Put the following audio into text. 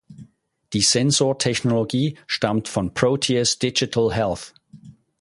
Die Sensor Technologie stammt von Proteus Digital Health.